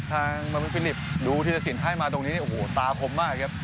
มันเป็นฟิลิปดูทีละสินให้มาตรงนี้โอ้โหตาคมมากครับ